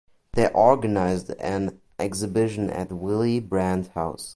They organized an exhibition at Willy Brandt House.